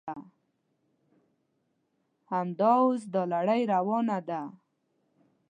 همدا اوس دا لړۍ روانه ده.